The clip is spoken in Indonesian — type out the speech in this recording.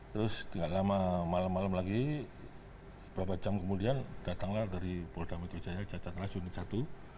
terus tidak lama malam malam lagi beberapa jam kemudian datanglah dari pol damai terjaya jatat ras unit satu